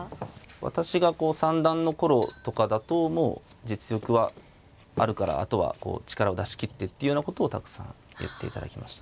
私が三段の頃とかだともう実力はあるからあとは力を出し切ってっていうようなことをたくさん言っていただきましたね。